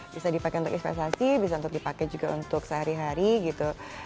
bisa dipakai untuk investasi bisa untuk dipakai juga untuk sehari hari gitu